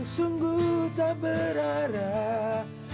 sungguh tak berarah